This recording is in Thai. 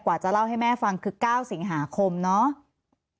จะเล่าให้แม่ฟังคือ๙สิงหาคมเนาะ